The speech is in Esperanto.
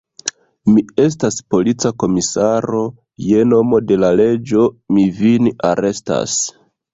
Mi estas polica komisaro: je nomo de la leĝo mi vin arestas.